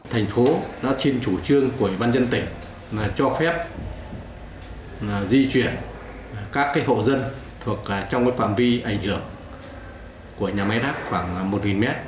thành phố đã xin chủ trương của ủy ban dân tỉnh là cho phép di chuyển các hộ dân thuộc trong phạm vi ảnh hưởng của nhà máy rác khoảng một m